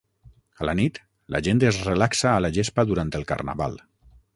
A la nit, la gent es relaxa a la gespa durant el carnaval.